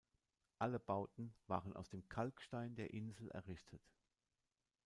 Alle Bauten waren aus dem Kalkstein der Insel errichtet.